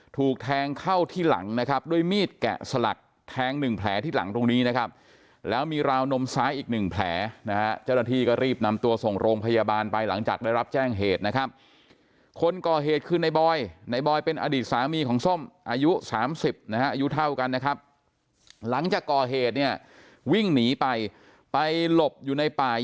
ถูกแทงเข้าที่หลังนะครับด้วยมีดแกะสลักแทงหนึ่งแผลที่หลังตรงนี้นะครับแล้วมีราวนมซ้ายอีกหนึ่งแผลนะฮะเจ้าหน้าที่ก็รีบนำตัวส่งโรงพยาบาลไปหลังจากได้รับแจ้งเหตุนะครับคนก่อเหตุคือในบอยในบอยเป็นอดีตสามีของส้มอายุสามสิบนะฮะอายุเท่ากันนะครับหลังจากก่อเหตุเนี่ยวิ่งหนีไปไปหลบอยู่ในป่า